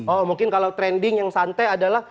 oh mungkin kalau trending yang santai adalah